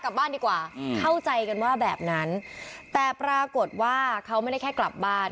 กลับบ้านดีกว่าเข้าใจกันว่าแบบนั้นแต่ปรากฏว่าเขาไม่ได้แค่กลับบ้าน